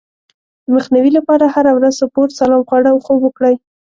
د مخنيوي لپاره هره ورځ سپورت، سالم خواړه او خوب وکړئ.